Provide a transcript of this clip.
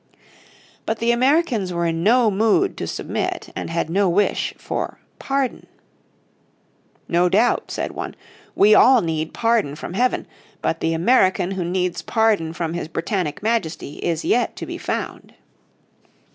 But the Americans were in no mood to submit, and had no wish for "pardon." "No doubt," said one, "we all need pardon from heaven, but the American who needs pardon from his Britannic Majesty is yet to be found."